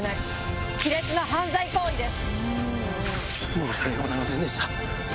申し訳ございませんでした。